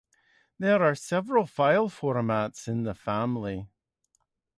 There are several file formats in the family.